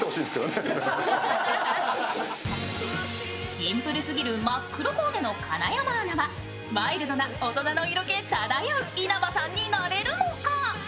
シンプルすぎる真っ黒コーデの金山アナは、ワイルドな大人の色気漂う稲葉さんになれるのか？